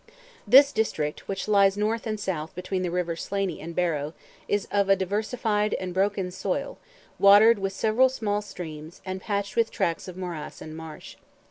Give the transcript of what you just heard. This district, which lies north and south between the rivers Slaney and Barrow, is of a diversified and broken soil, watered with several small streams, and patched with tracts of morass and marsh.